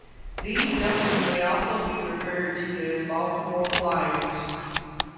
These vessels may also be referred to as Baltimore Flyers.